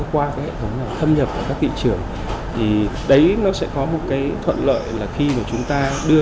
qua các hệ thống thâm nhập của các thị trường đấy nó sẽ có một cái thuận lợi là khi mà chúng ta đưa